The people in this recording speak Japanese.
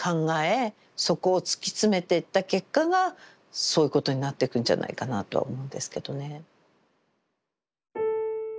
そこを突き詰めてった結果がそういうことになっていくんじゃないかなとは思うんですけどね。